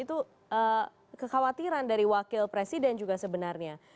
itu kekhawatiran dari wakil presiden juga sebenarnya